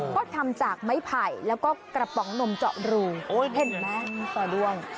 ก็ทำจากไม้ไผ่แล้วก็กระป๋องนมเจาะรูโอ้ยเห็นไหมจอด้วง